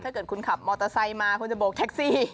ถ้าเกิดคุณขับมอเตอร์ไซค์มาคุณจะโบกแท็กซี่